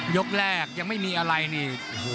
ยกแรกยังไม่มีอะไรนี่